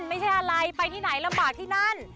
ไม่ใช่อะไรไปที่ไหนลำบากที่นั่น